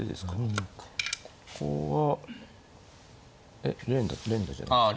えっ連打じゃないですか？